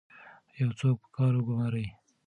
یو څوک په کار وګمارئ.